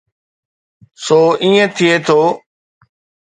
سو ائين ٿئي ٿو.